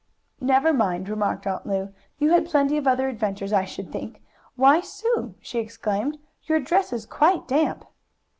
"Never mind," remarked Aunt Lu, "you had plenty of other adventures, I should think. Why, Sue!" she exclaimed, "your dress is quite damp!"